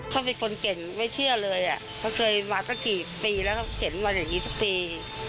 เขาเป็นคนเก่งไม่เชื่อเลยเขาเคยมาตั้งกี่ปีแล้วเขาเห็นมาอย่างนี้ทุกปี